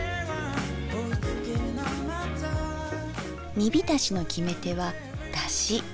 煮浸しの決め手はだし。